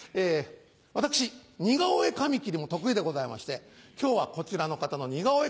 私似顔絵紙切りも得意でございまして今日はこちらの方の似顔絵